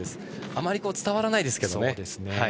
あまり伝わらないですけどね。